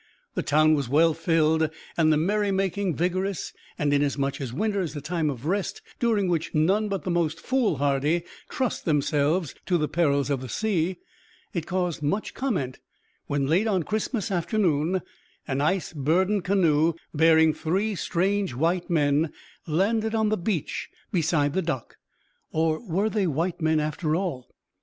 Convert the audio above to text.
The town was well filled and the merrymaking vigorous, and inasmuch as winter is a time of rest, during which none but the most foolhardy trust themselves to the perils of the sea, it caused much comment when late on Christmas afternoon an ice burdened canoe, bearing three strange white men, landed on the beach beside the dock or were they white men, after all?